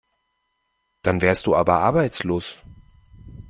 Dann wärst du aber arbeitslos.